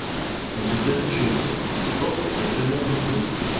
On se tenait chez soi, portes et fenêtres closes.